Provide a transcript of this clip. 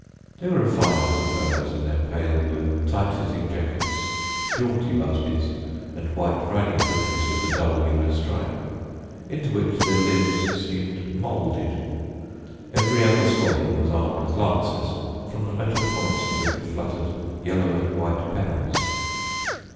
They were a fine lot of fellows, in their pale blue, tight fitting jackets, jaunty busbys and white riding breeches with the double yellow stripe, into which their limbs seemed moulded. Every other squadron was armed with lances, from the metal points of which fluttered yellow and white pennons.